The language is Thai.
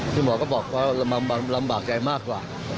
คุณหมอก็บอกว่าลำบากใจมากกว่า